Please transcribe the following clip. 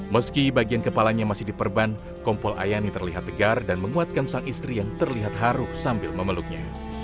meski bagian kepalanya masih diperban kompol ayani terlihat tegar dan menguatkan sang istri yang terlihat haru sambil memeluknya